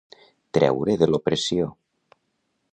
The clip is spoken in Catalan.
Treure de l'opressió.